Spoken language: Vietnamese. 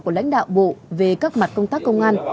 của lãnh đạo bộ về các mặt công tác công an